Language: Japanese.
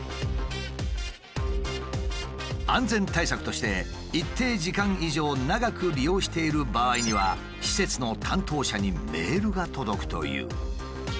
安全対策として一定時間以上長く利用している場合には施設の担当者にメールが届くという。